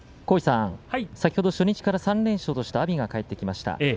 先ほど初日から３連勝としました阿炎が帰ってきました。